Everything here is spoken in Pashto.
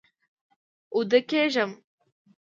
اوده کیږم